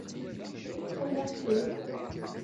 Awi-yaɣ-tt-id.